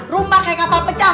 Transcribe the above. rumah kayak kapal pecah